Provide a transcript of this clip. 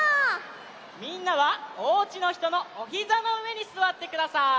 みんなはおうちのひとのおひざのうえにすわってください。